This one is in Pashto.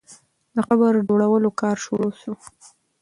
د قبر جوړولو کار شروع سو.